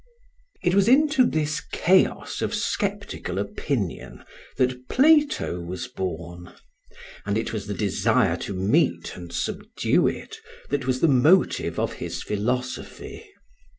It was into this chaos of sceptical opinion that Plato was born; and it was the desire to meet and subdue it that was the motive of his philosophy.